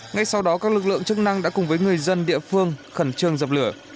ngay sau đó các lực lượng chức năng đã cùng với người dân địa phương khẩn trương dập lửa